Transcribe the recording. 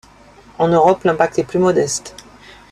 En Europe, l'impact est plus modeste.